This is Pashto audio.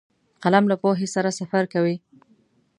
قلم له پوهې سره سفر کوي